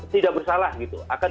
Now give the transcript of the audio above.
tidak bersalah akan